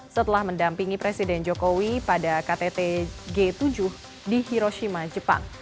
setelah mendampingi presiden jokowi pada ktt g tujuh di hiroshima jepang